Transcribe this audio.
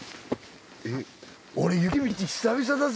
俺雪道久々だぜ。